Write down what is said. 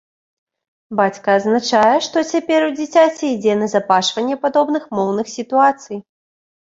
Бацька адзначае, што цяпер у дзіцяці ідзе назапашванне падобных моўных сітуацый.